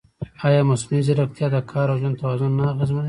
ایا مصنوعي ځیرکتیا د کار او ژوند توازن نه اغېزمنوي؟